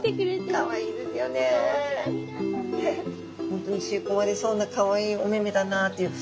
本当に吸いこまれそうなかわいいお目々だなという。